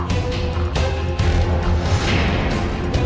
mama punya rencana